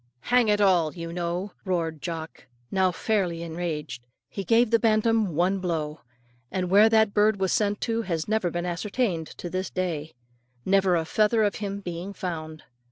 "Hang it all, you know," roared Jock, now fairly enraged. He gave the bantam one blow; and where that bird was sent to has never been ascertained to this day, never a feather of him being found.